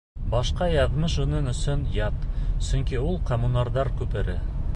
Башҡа яҙмыш уның өсөн ят, сөнки ул Коммунарҙар күпере!